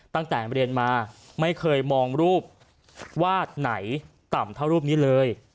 ตั้งแต่เรียนมาไม่เคยมองรูปวาดไหนต่ำเท่ารูปนี้เลย